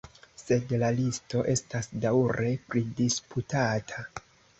Sed la listo estas daŭre pridisputata.